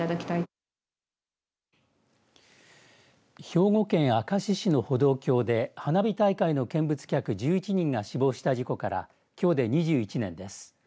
兵庫県明石市の歩道橋で花火大会の見物客１１人が死亡した事故からきょうで２１年です。